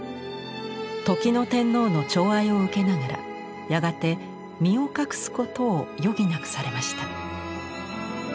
時の天皇の寵愛を受けながらやがて身を隠すことを余儀なくされました。